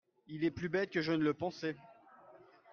Il est plus bête que je ne le pensais.